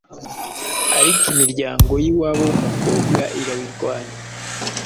ariko imiryango y’iwabo w’umukobwa irabirwanya.